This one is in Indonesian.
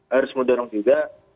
harus mendorong juga